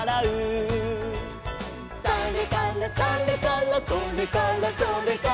「それからそれからそれからそれから」